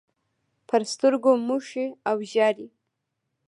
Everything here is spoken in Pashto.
پر سترګو موښي او ژاړي.